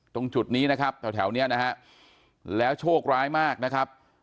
ตรงจุดนี้นะครับแถวนี้นะฮะแล้วโชคร้ายมากนะครับ